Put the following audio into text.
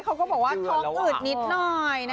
กลุ่มอัยเขาบอกว่าท้องอืดนิดหน่อยนะฮะ